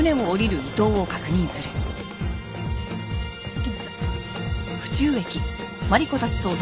行きましょう。